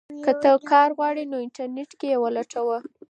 که ته کار غواړې نو انټرنیټ کې یې ولټوه.